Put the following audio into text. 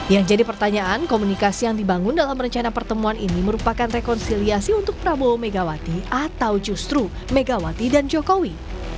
yang jadi pertanyaan komunikasi yang dibangun dalam rencana pertemuan ini merupakan rekonsiliasi untuk prabowo megawati atau justru megawati dan jokowi